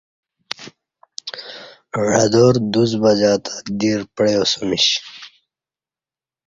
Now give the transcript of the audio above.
عدار دوڅ بجہ تہ دیر پعیاسمیش